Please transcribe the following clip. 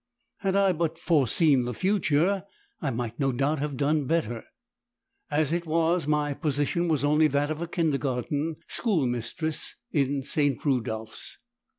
Had I but foreseen the future, I might no doubt have done better. As it was my position was only that of a kindergarten schoolmistress in St. Rudolphs.